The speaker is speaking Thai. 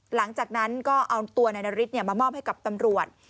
หลังจากนั้นก็เอาตัวนายนาริสมามอบให้กับตำรวจ